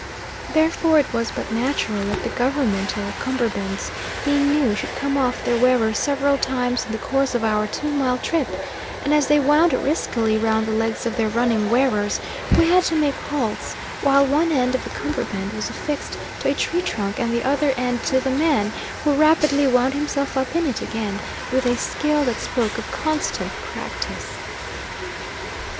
Therefore it was but natural that the governmental cummerbunds, being new, should come off their wearers several times in the course of our two mile trip, and as they wound riskily round the legs of their running wearers, we had to make halts while one end of the cummerbund was affixed to a tree trunk and the other end to the man, who rapidly wound himself up in it again with a skill that spoke of constant practice.